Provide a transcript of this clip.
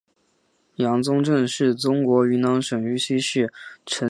阳宗镇是中国云南省玉溪市澄江县下辖的一个镇。